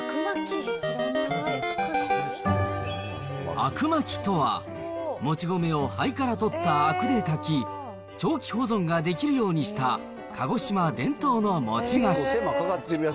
あくまきとは、もち米を灰から取ったあくで炊き、長期保存ができるようにした鹿児島伝統の餅菓子。